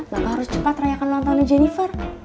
maka harus cepat rayakan lontongnya jennifer